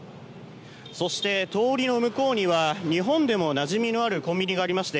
そして通りの向こうには日本でもなじみのあるコンビニがありまして